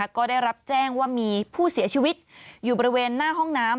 ก็ได้รับแจ้งว่ามีผู้เสียชีวิตอยู่บริเวณหน้าห้องน้ำ